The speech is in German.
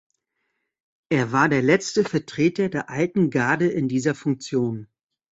Er war der letzte Vertreter der „alten Garde“ in dieser Funktion.